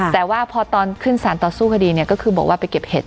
แต่ว่าพอตอนขึ้นสารต่อสู้คดีเนี่ยก็คือบอกว่าไปเก็บเห็ด